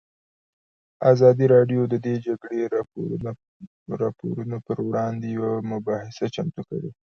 ازادي راډیو د د جګړې راپورونه پر وړاندې یوه مباحثه چمتو کړې.